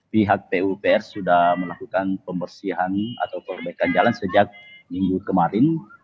pihak pupr sudah melakukan pembersihan atau perbaikan jalan sejak minggu kemarin